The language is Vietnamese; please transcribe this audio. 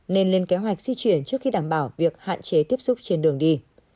nên lên kế hoạch di chuyển trước khi đảm bảo việc hạn chế tiếp xúc trên đường đi